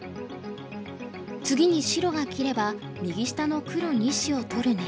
次に白が切れば右下の黒２子を取る狙いだ。